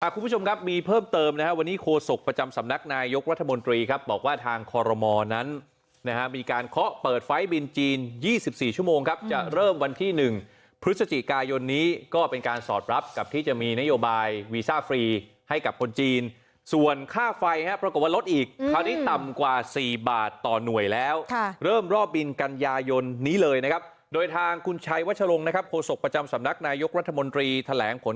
คุณผู้ชมครับมีเพิ่มเติมนะครับวันนี้โคสกประจำสำนักนายยกรัฐมนตรีครับบอกว่าทางคอลโลมอนั้นมีการเคาะเปิดไฟล์บินจีน๒๔ชั่วโมงครับจะเริ่มวันที่๑พฤศจิกายนนี้ก็เป็นการสอดรับกับที่จะมีนโยบายวีซ่าฟรีให้กับคนจีนส่วนค่าไฟครับละก่อนว่ารถอีกคราวนี้ต่ำกว่า๔บาทต่อหน่วยแล้